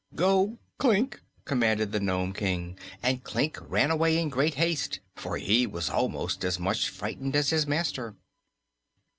"Go, Klik," commanded the Nome King, and Klik ran away in great haste, for he was almost as much frightened as his master.